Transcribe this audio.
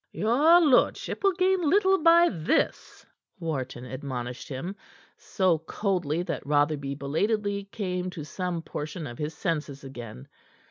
"Your lordship will gain little by this," Wharton admonished him, so coldly that Rotherby belatedly came to some portion of his senses again.